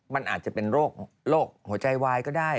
มันอาจจะเป็นโรคหัวใจวายก็ได้